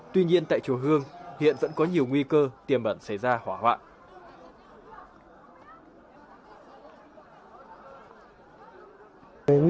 tuy nhiên tại chùa hương hiện vẫn có nhiều nguy cơ tiềm ẩn xảy ra hỏa hoạn